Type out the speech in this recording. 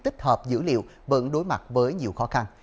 tích hợp dữ liệu vẫn đối mặt với nhiều khó khăn